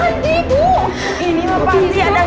ayo sekitarnya aplikasi per geometry